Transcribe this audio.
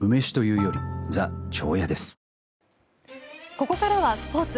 ここからはスポーツ。